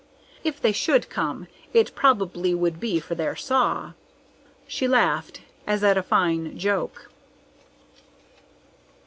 If they should come, it probably would be for their saw." She laughed as at a fine joke.